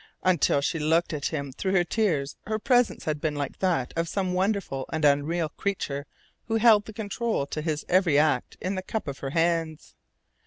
Until she looked at him through her tears her presence had been like that of some wonderful and unreal creature who held the control to his every act in the cup of her hands.